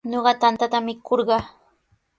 Ñuqa tantata mikurqaa.